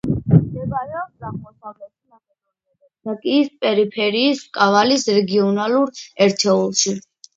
მდებარეობს აღმოსავლეთი მაკედონია და თრაკიის პერიფერიის კავალის რეგიონალურ ერთეულში.